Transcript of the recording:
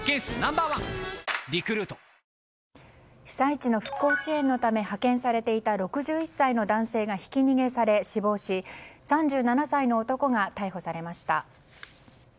被災地の復興支援のため派遣されていた６１歳の男性がひき逃げされ死亡し３７歳の男が逮捕されました。